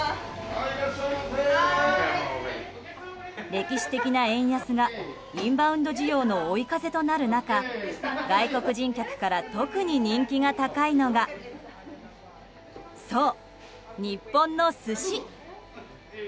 歴史的な円安がインバウンド需要の追い風となる中外国人客から特に人気が高いのがそう、日本の寿司。